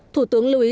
thủ tướng lưu ý